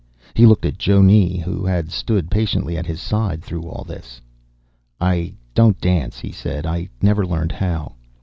He looked at Jonne, who had stood patiently at his side through all this. "I don't dance," he said. "I never learned how."